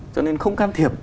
cho nên không can thiệp